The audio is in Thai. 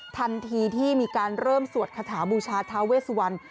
ทันทีที่มีการเริ่มสวดคาถาบูชาทาเวสวัน